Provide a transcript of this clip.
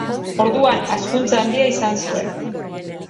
Orduan hazkuntza handia izan zuen.